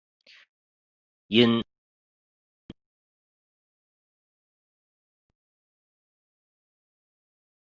因清拆土地而来的苏格兰高地人也在此期间成为加拿大的土地所有者。